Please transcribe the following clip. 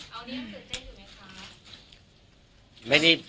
อันนี้ยังตื่นเต้นอยู่ไหมคะ